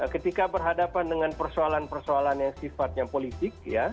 ketika berhadapan dengan persoalan persoalan yang sifatnya politik